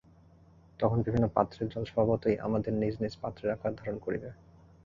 তখন বিভিন্ন পাত্রের জল স্বভাবতই আমাদের নিজ নিজ পাত্রের আকার ধারণ করিবে।